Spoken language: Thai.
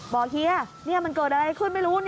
เฮียมันเกิดอะไรขึ้นไม่รู้